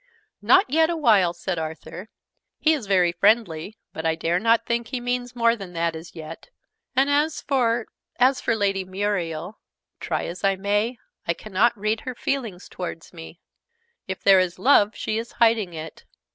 "Not yet awhile," said Arthur. "He is very friendly, but I dare not think he means more than that, as yet. And as for as for Lady Muriel, try as I may, I cannot read her feelings towards me. If there is love, she is hiding it!